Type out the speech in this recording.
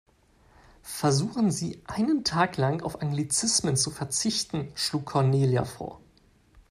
Versuchen Sie, einen Tag lang auf Anglizismen zu verzichten, schlug Cornelia vor.